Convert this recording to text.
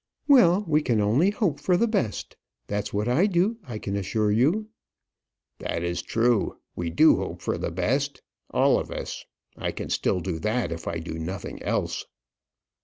"Well; we can only hope for the best. That's what I do, I can assure you." "That is true. We do hope for the best all of us. I can still do that, if I do nothing else."